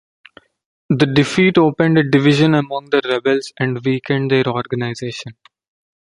The defeat opened a division among the rebels and weakened their organization.